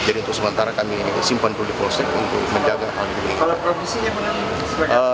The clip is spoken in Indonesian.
jadi untuk sementara kami simpan dulu di proses untuk menjaga hal yang tidak inginkan